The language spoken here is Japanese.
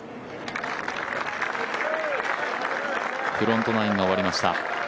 フロントナインが終わりました。